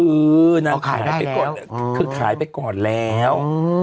คือนางขายไปก่อนคือขายไปก่อนแล้ว